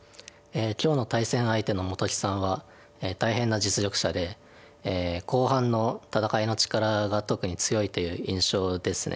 今日の対戦相手の本木さんは大変な実力者で後半の戦いの力が特に強いという印象ですね。